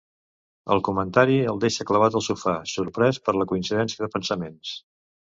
El comentari el deixa clavat al sofà, sorprès per la coincidència de pensaments.